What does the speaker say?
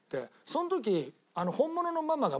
その時。